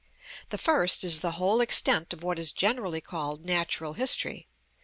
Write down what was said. The first is the whole extent of what is generally called natural history.